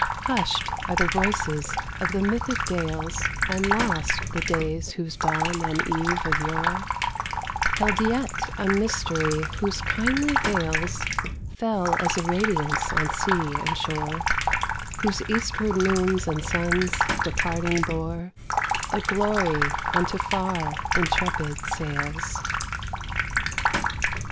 Hushed are the voices of the mythic dales And lost the days whose dawn and eve of yore Held yet a mystery whose kindly veils Fell as a radiance on sea and shore, Whose eastward moons and suns departing bore A glory unto far, intrepid sails.